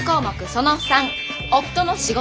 その③夫の仕事。